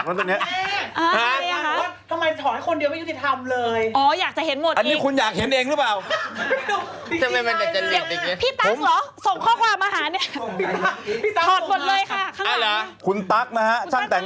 คุณสมมุติว่าทำไมถอนคนเดียวไม่ยุติธรรมเลย